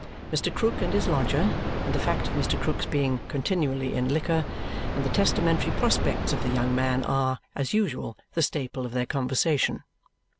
Mr. Krook and his lodger, and the fact of Mr. Krook's being "continually in liquor," and the testamentary prospects of the young man are, as usual, the staple of their conversation.